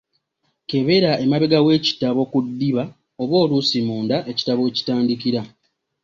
Kebera emabega w'ekitabo ku ddiba oba oluusi munda ekitabo weekitandikira.